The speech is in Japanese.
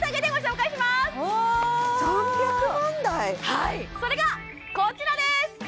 はいそれがこちらです！